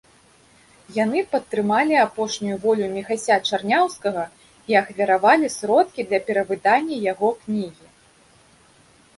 Яны падтрымалі апошнюю волю Міхася Чарняўскага і ахвяравалі сродкі для перавыдання яго кнігі.